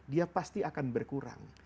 dia pasti akan berkurang